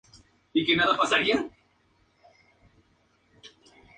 Cuando el cadáver es descubierto, el conde hace su aparición en la casa.